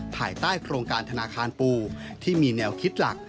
ภายใต้โครงการธนาคารปูที่มีแนวคิดหลัก